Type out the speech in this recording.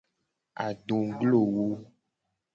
Adoglowo.